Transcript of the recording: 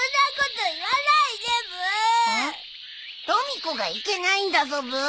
とみ子がいけないんだぞブー！